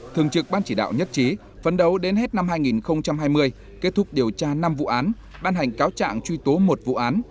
thường trực ban chỉ đạo nhất trí phấn đấu đến hết năm hai nghìn hai mươi kết thúc điều tra năm vụ án ban hành cáo trạng truy tố một vụ án